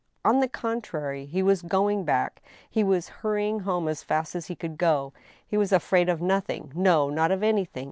On the contrary, he was going back— he was hurrying home as fast as he could go. He was afraid of nothing— no ! not of anything.